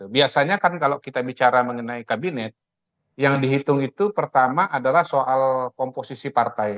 biasanya kan kalau kita bicara mengenai kabinet yang dihitung itu pertama adalah soal komposisi partai